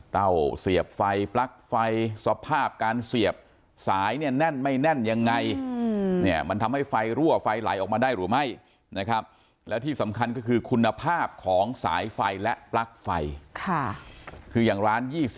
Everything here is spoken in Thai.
เสียบไฟปลั๊กไฟสภาพการเสียบสายเนี่ยแน่นไม่แน่นยังไงเนี่ยมันทำให้ไฟรั่วไฟไหลออกมาได้หรือไม่นะครับแล้วที่สำคัญก็คือคุณภาพของสายไฟและปลั๊กไฟค่ะคืออย่างร้าน๒๐